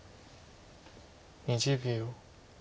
２０秒。